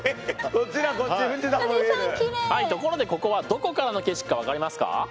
ところでここはどこからの景色か分かりますか？